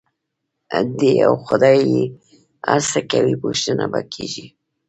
دی او خدای یې چې هر څه کوي، پوښتنه به کېږي.